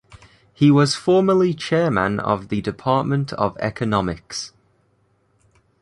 He was formerly chairman of the department of economics.